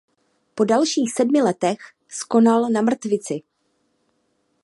Po dalších sedmi letech skonal na mrtvici.